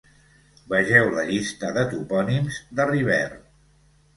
Vegeu la llista de Topònims de Rivert.